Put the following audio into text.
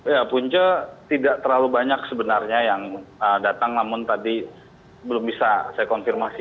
ya punca tidak terlalu banyak sebenarnya yang datang namun tadi belum bisa saya konfirmasi